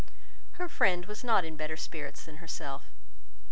Her friend was not in better spirits than herself.